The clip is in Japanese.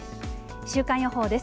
週間予報です。